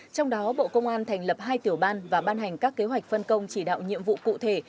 trong đó bộ công an thành lập hai tiểu ban và ban hành các kế hoạch phân công chỉ đạo nhiệm vụ cụ thể